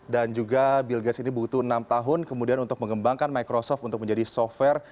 dan juga bill gates ini butuh enam tahun kemudian untuk mengembangkan microsoft untuk menjadi software